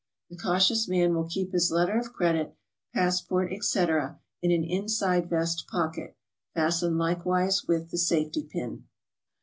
The cautious man will keep his letter of credit, passport, etc., in an inside vest pocket, fastened likewise with the safety pin.